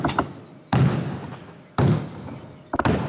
Está ubicada en la Plaza Bolognesi.